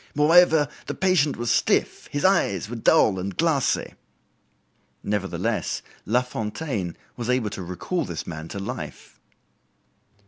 Moreover, the patient was stiff, his eyes were dull and glassy." Nevertheless, Lafontaine was able to recall this man to life.